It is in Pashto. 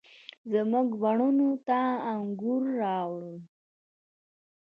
زموږ بڼوڼو ته انګور، راوړه،